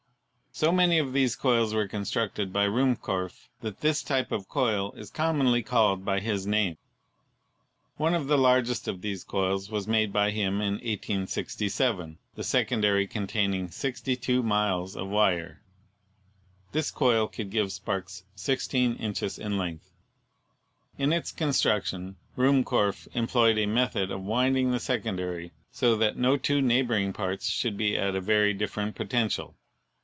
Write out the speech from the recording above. So many of these coils were constructed by Ruhmkorff that this type of coil is commonly called by his name. One of the largest of these coils was made by hirn in 1867, the secondary containing 62 miles of wire. This coil could give sparks 16 inches in length. In its con struction Ruhmkorff employed a method of winding the secondary so that no two neighboring parts should be at a very different potential.